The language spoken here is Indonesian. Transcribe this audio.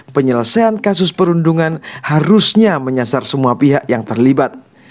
penyelesaian kasus perundungan harusnya menyasar semua pihak yang terlibat